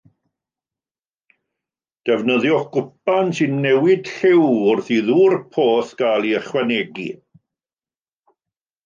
Defnyddiwch gwpan sy'n newid lliw wrth i ddŵr poeth gael ei ychwanegu.